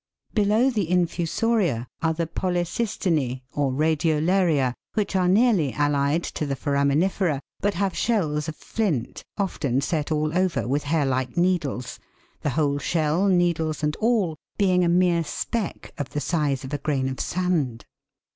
Below the Infusoria, are the Polycystinae, or Radiolaria, which are nearly allied to the Foraminifera, but have shells of flint often set all over with hair like needles, the whole shell, needles and all, being a mere speck of the size of a grain of sand.